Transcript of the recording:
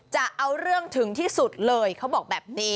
จะเอาเรื่องถึงที่สุดเลยเขาบอกแบบนี้